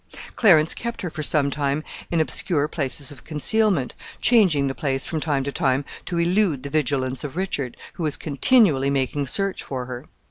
Clarence kept her for some time in obscure places of concealment, changing the place from time to time to elude the vigilance of Richard, who was continually making search for her.